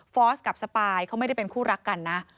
อสกับสปายเขาไม่ได้เป็นคู่รักกันนะ